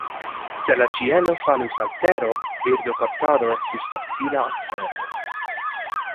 Se la ĉielo falus al tero, birdokaptado estus facila afero.